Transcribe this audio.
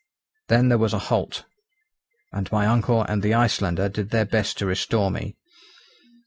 Then there was a halt; and my uncle and the Icelander did their best to restore me.